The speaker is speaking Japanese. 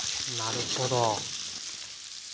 なるほど。